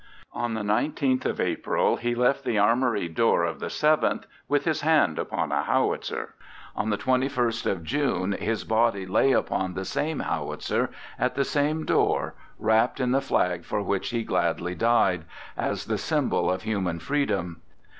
On the 19th of April he left the armory door of the Seventh, with his hand upon a howitzer; on the 21st of June his body lay upon the same howitzer at the same door, wrapped in the flag for which he gladly died, as the symbol of human freedom.